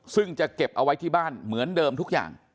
ซึ่งจะเก็บเอาไว้ที่บ้านเหมือนเดิมทุกอย่าง